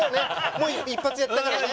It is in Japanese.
もう一発やったからね。